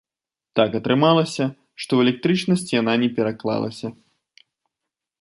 Так атрымалася, што ў электрычнасць яна не пераклалася.